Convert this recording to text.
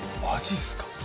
マジですか？